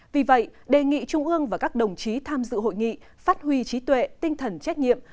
vì vậy đề nghị trung ương và các đồng chí tham dự hội nghị phát huy trí tuệ tinh thần trách nhiệm